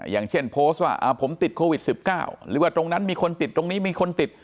อย่างเช่นโพสต์ว่าผมติดโควิด๑๙หรือว่าตรงนั้นมีคนติดตรงนี้มีคนติด